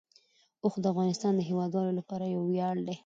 اوښ د افغانستان د هیوادوالو لپاره یو ویاړ دی.